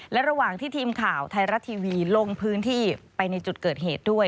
และระหว่างที่ทีมข่าวไทยรัฐทีวีลงพื้นที่ไปในจุดเกิดเหตุด้วย